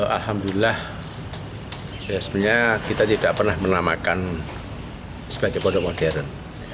alhamdulillah sebenarnya kita tidak pernah menamakan sebagai pondok modern